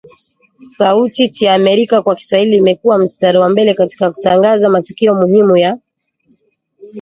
Sauti tya Amerika kwa Kiswahili imekua mstari wa mbele katika kutangaza matukio muhimu ya